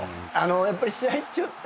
やっぱり試合中って。